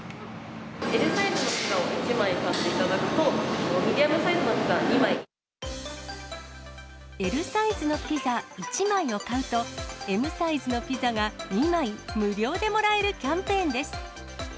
Ｌサイズのピザを１枚買っていただくと、Ｌサイズのピザ１枚を買うと、Ｍサイズのピザが２枚無料でもらえるキャンペーンです。